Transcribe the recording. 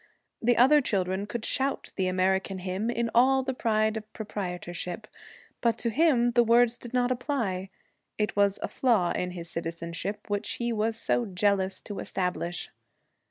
The other children could shout the American hymn in all the pride of proprietorship, but to him the words did not apply. It was a flaw in his citizenship, which he was so jealous to establish.